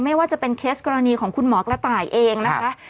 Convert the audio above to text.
ไม่ว่าจะเป็นเคสกรณีของคุณหมอกระต่ายเองนะคะ